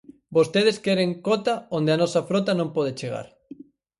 Vostedes queren cota onde a nosa frota non pode chegar.